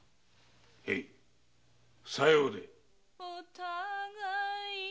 へいさようで。